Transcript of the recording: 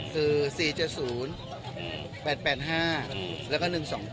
คือ๔๗๐๘๘๕แล้วก็๑๒๘